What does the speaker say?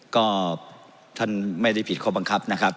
ก็ท่านไม่ได้ผิดข้อบังคับนะครับ